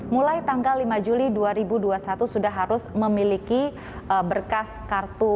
mulai tanggal lima juli dua ribu dua puluh satu sudah harus memiliki berkas kartu